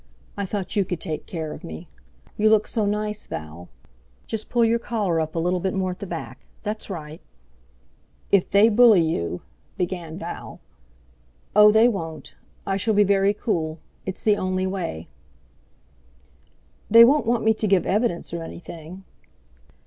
I thought you could take care of me. You look so nice, Val. Just pull your coat collar up a little more at the back—that's right." "If they bully you...." began Val. "Oh! they won't. I shall be very cool. It's the only way." "They won't want me to give evidence or anything?"